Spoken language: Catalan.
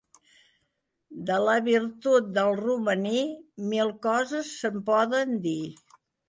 De la virtut del romaní, mil coses se'n poden dir.